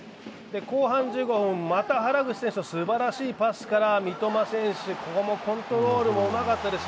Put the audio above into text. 後半１５分、また原口選手のすばらしいパスから三笘選手、ここもコントロールもうまかったです。